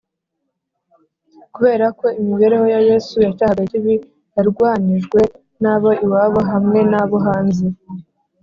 . Kubera ko imibereho ya Yesu yacyahaga ikibi, yarwanijwe n’abo iwabo, hamwe n’abo hanze